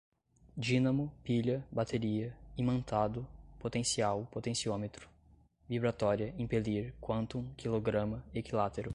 dínamo, pilha, bateria, imantado, potencial, potenciômetro, vibratória, impelir, quantum, quilograma, equilátero